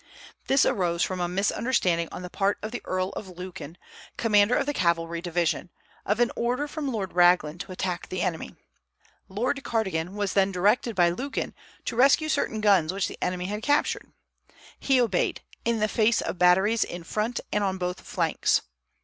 This arose from a misunderstanding on the part of the Earl of Lucan, commander of the cavalry division, of an order from Lord Raglan to attack the enemy. Lord Cardigan was then directed by Lucan to rescue certain guns which the enemy had captured. He obeyed, in the face of batteries in front and on both flanks.